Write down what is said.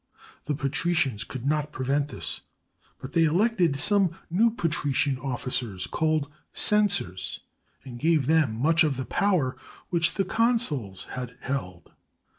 The patricians could not pre vent this, but they elected some new patrician officers called "censors" and gave them much of the power which the consuls had held.